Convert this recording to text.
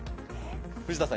藤田さん